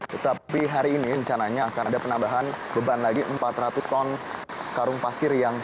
tetapi hari ini rencananya akan ada penambahan beban lagi empat ratus ton karung pasir yang